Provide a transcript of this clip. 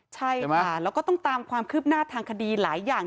ใช่ค่ะแล้วก็ต้องตามความคืบหน้าทางคดีหลายอย่าง